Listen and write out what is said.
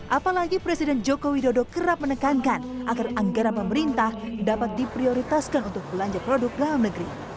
apalagi presiden joko widodo kerap menekankan agar anggaran pemerintah dapat diprioritaskan untuk belanja produk dalam negeri